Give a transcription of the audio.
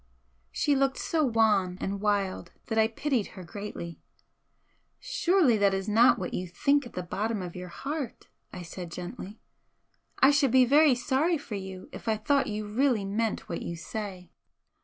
She looked so wan and wild that I pitied her greatly. "Surely that is not what you think at the bottom of your heart?" I said, gently "I should be very sorry for you if I thought you really meant what you say."